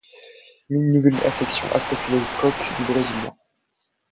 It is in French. Mais une nouvelle infection à staphylocoque du Brésilien.